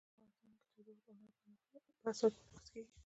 افغانستان کې تودوخه د هنر په اثار کې منعکس کېږي.